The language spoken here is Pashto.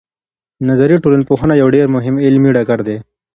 نظري ټولنپوهنه یو ډېر مهم علمي ډګر دی.